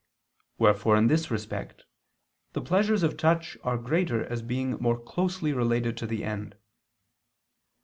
Wherefore in this respect, the pleasures of touch are greater as being more closely related to the end.